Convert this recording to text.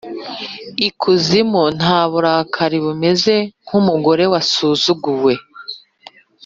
ikuzimu nta burakari bumeze nkumugore wasuzuguwe.